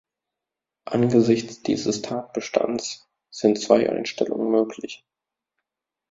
Angesichts dieses Tatbestands sind zwei Einstellungen möglich.